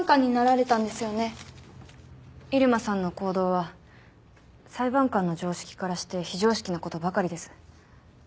入間さんの行動は裁判官の常識からして非常識なことばかりです。